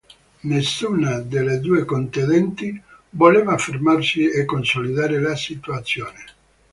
Nessuna delle due contendenti voleva fermarsi e consolidare la situazione.